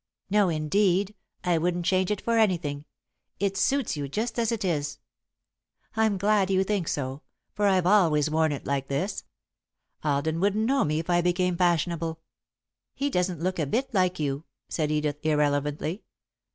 "No, indeed! I wouldn't change it for anything. It suits you just as it is." "I'm glad you think so, for I've always worn it like this. Alden wouldn't know me if I became fashionable." [Sidenote: It Isn't Right] "He doesn't look a bit like you," said Edith, irrelevantly.